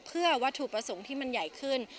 เพื่อวัตถุประสงค์ที่มันใหญ่ขึ้น